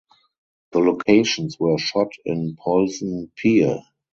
The locations were shot in Polson Pier.